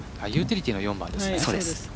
ユーティリティーの４番です。